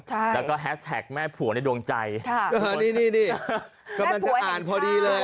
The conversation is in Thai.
ใช่แล้วก็แฮสแท็กแม่ผัวในดวงใจค่ะนี่นี่กำลังจะอ่านพอดีเลย